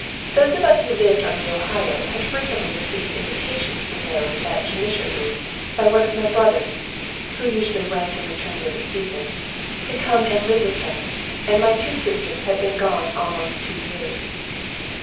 Those of us who lived on the Ohio, had frequently received invitations from those at Genishau, by one of my brothers, who usually went and returned every season, to come and live with them, and my two sisters had been gone almost two years.